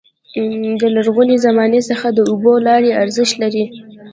د لرغوني زمانو څخه د اوبو لارې ارزښت لري.